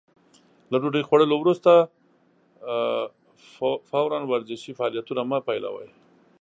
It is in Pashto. له ډوډۍ خوړلو وروسته فورً ورزشي فعالیتونه مه پيلوئ.